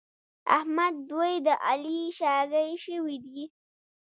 احمد دوی د علي شاګی شوي دي.